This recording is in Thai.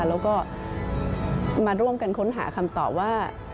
แล้วก็มาร่วมกันค้นหาคำตอบว่า